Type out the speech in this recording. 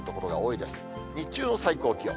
日中の最高気温。